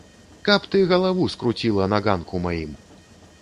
Каб ты галаву скруціла на ганку маім!